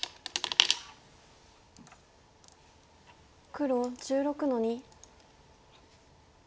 黒１６の二。